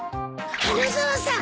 花沢さん！